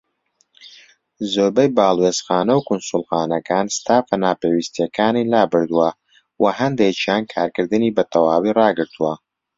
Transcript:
زۆربەی باڵوێزخانە و کونسوڵخانەکان ستافە ناپێوستیەکانی لابردووە، وە هەندێکیان کارکردنی بە تەواوی ڕاگرتووە.